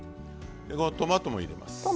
でこのトマトも入れます。